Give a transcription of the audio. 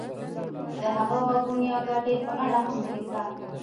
د هغه واګون یا ګاډۍ په اړه هم ولیکه.